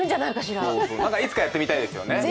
いつかやってみたいですね。